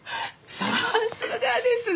さすがですね。